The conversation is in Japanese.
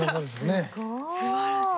すごい。